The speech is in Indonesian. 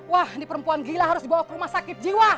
wah ini perempuan gila harus dibawa ke rumah sakit jiwa